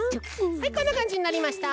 はいこんなかんじになりました。